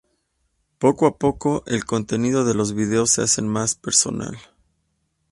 Poco a poco, el contenido de los vídeos se hace más personal.